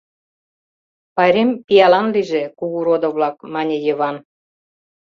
— Пайрем пиалан лийже, кугу родо-влак, — мане Йыван.